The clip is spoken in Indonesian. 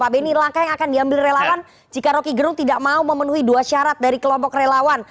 pak benny langkah yang akan diambil relawan jika roky gerung tidak mau memenuhi dua syarat dari kelompok relawan